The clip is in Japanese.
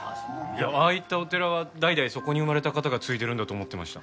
ああいったお寺は代々そこに生まれた方が継いでるんだと思ってました。